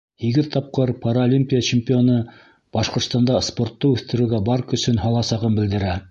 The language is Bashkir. Һигеҙ тапҡыр Паралимпия чемпионы Башҡортостанда спортты үҫтереүгә бар көсөн һаласағын белдерә.